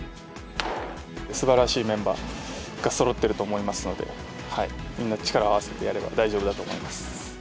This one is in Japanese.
すばらしいメンバーがそろってると思いますので、みんな力を合わせてやれば大丈夫だと思います。